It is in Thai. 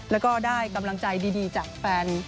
แล้วก็ได้กำลังใจดีจากแฟน